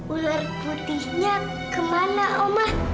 ular putihnya ke mana oma